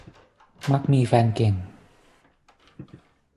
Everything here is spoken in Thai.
มักมีแฟนเก่ง